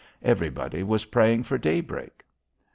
Everybody was praying for daybreak.